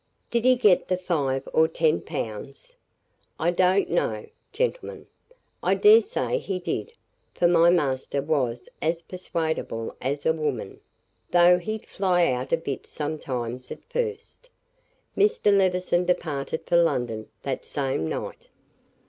"Did he get the five or ten pounds?" "I don't know, gentlemen. I dare say he did, for my master was as persuadable as a woman, though he'd fly out a bit sometimes at first. Mr. Levison departed for London that same night."